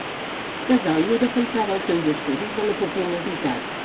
Tesalio defensava els seus estudis de la popularitat